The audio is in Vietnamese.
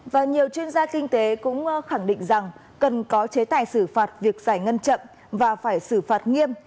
và nhiều chuyên gia kinh tế cũng khẳng định rằng cần có chế tài xử phạt việc giải ngân chậm và phải xử phạt nghiêm